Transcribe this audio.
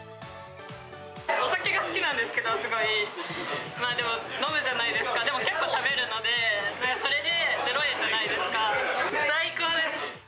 お酒が好きなんですけど、すごい、まあでも飲むじゃないですか、でも、結構食べるので、それで０円じゃないですか、最高です。